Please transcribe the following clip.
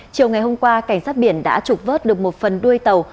chiều ngày hôm qua cảnh sát biển đã trục vớt được một phần đuôi tàu